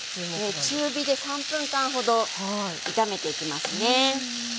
中火で３分間ほど炒めていきますね。